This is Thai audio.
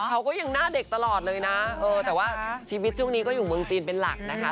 เขาก็ยังหน้าเด็กตลอดเลยนะแต่ว่าชีวิตช่วงนี้ก็อยู่เมืองจีนเป็นหลักนะคะ